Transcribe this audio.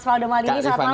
selamat malam mas faldo